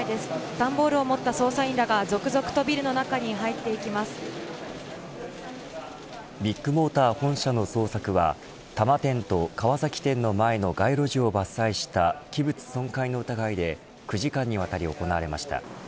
段ボールを持った捜査員らが続々とビルの中にビッグモーター本社の捜索は多摩店と川崎店の前の街路樹を伐採した器物損壊の疑いで９時間にわたり行われました。